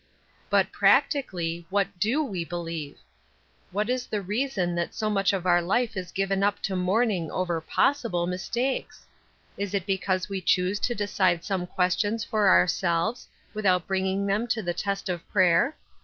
But, practically, what do we believe ? What is the reason that so much of our life is given up to mourning over possible mistakes ? Is it be cause we choose to decide some questions for ourselves without bringing them to the test of prayer?